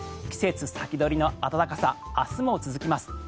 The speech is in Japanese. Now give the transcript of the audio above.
季節先取りの暖かさ明日も続きます。